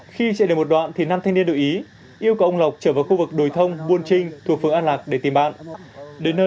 khi chạy được một đoạn thì nam thanh niên tự ý yêu cầu ông lộc trở vào khu vực đồi thông buôn trinh thuộc phường an lạc để tìm bạn